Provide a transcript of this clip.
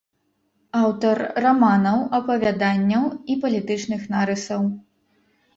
Аўтар раманаў, апавяданняў і палітычных нарысаў.